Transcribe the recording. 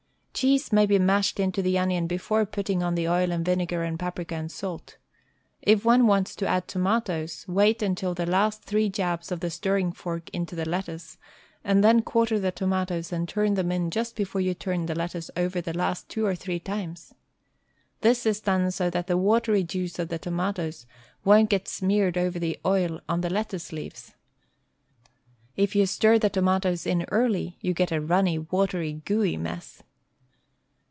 Cheese may be mashed into the onion before putting on the oil and vinegar and paprika and salt. If one wrants to add tomatoes, wait until the last three jabs of the stirring fork into the lettuce, and then quarter the tomatoes and turn them in just before you turn the lettuce over the last two or three times. This is done so that the watery juice of the tomatoes won't get smeared over the oil on the lettuce leaves. If you stir the tomatoes* in early, you get a runny, watery, gooey mess.